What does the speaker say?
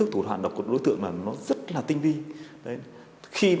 cảm ơn các bạn đã theo dõi